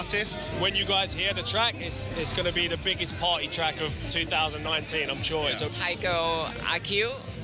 ทุกคนทั่วโลกก็รู้สึกอย่างไรใช่ไหม